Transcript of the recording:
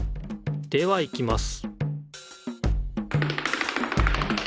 ではいきます